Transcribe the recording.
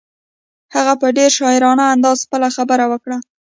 هغې په ډېر شاعرانه انداز خپله خبره وکړه.